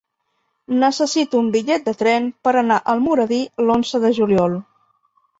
Necessito un bitllet de tren per anar a Almoradí l'onze de juliol.